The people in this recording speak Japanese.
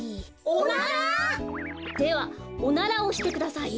おなら？ではおならをしてください。